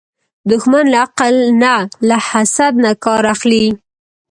دښمن له عقل نه، له حسد نه کار اخلي